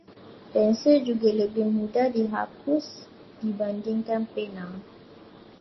Pensil juga lebih mudah dihapus dibandingkan pena.